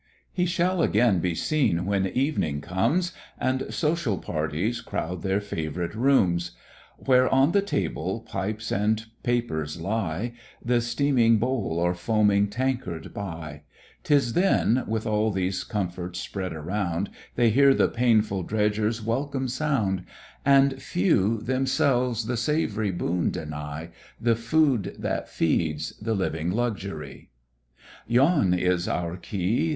He shall again be seen when evening comes, And social parties crowd their favourite rooms: Where on the table pipes and papers lie, The steaming bowl or foaming tankard by; 'Tis then, with all these comforts spread around, They hear the painful dredger's welcome sound; And few themselves the savoury boon deny, The food that feeds, the living luxury. Yon is our Quay!